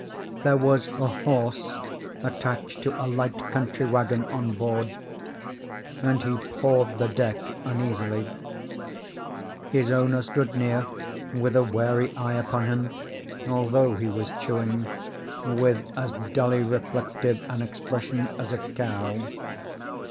There was a horse attached to a light country wagon on board, and he pawed the deck uneasily. His owner stood near, with a wary eye upon him, although he was chewing, with as dully reflective an expression as a cow.